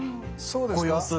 そうですか？